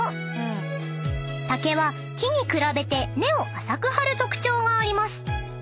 ［竹は木に比べて根を浅く張る特徴があります］